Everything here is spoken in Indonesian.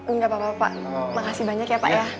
enggak pak makasih banyak ya pak